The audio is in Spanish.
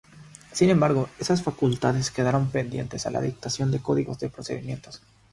Sin embargo, esas facultades quedaron pendientes a la dictación de los Códigos de Procedimientos.